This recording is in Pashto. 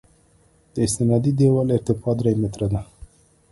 د استنادي دیوال ارتفاع درې متره ده